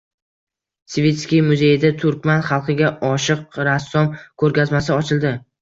Savitskiy muzeyida turkman xalqiga oshiq rassom ko‘rgazmasi ochildi